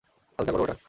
আলগা করো ওটা।